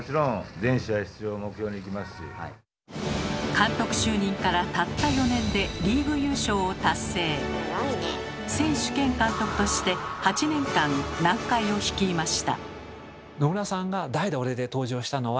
監督就任からたった４年で選手兼監督として８年間南海を率いました。